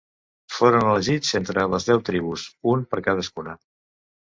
Foren elegits entre les deu tribus, un per cadascuna.